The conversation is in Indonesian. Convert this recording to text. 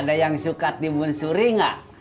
ada yang suka timun suri gak